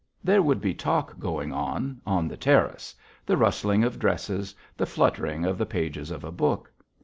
There would be talk going on on the terrace, the rustling of dresses, the fluttering of the pages of a book.